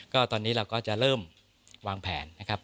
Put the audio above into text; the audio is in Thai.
ก็ตอนนี้เราก็จะเริ่มวางแผนนะครับ